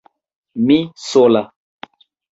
Mi sola!